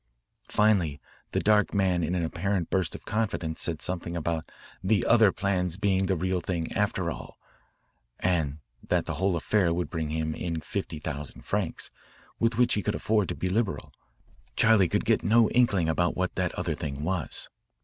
Finally the dark man in an apparent burst of confidence said something about 'the other plans being the real thing after all,' and that the whole affair would bring him in fifty thousand francs, with which he could afford to be liberal. Charley could get no inkling about what that other thing was.